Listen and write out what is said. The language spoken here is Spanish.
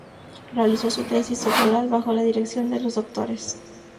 Realizó su tesis doctoral bajo la dirección de los Drs.